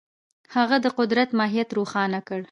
هغه د قدرت ماهیت روښانه کړ.